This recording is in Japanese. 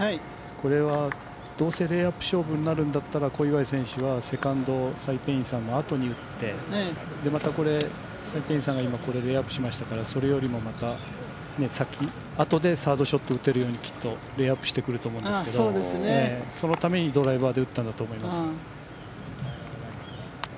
これはどうせレイアップ勝負になるんだったら小祝選手はセカンドをサイ・ペイイン選手のあとに打ってまたこれ、サイ・ペイインさんがレイアップしましたからそれよりもまた先あとでサードショットを打てるようにレイアップしてくると思うんですけどそのためにドライバーで打ったんだと思います。